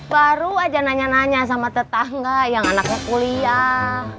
baru aja nanya nanya sama tetangga yang anaknya kuliah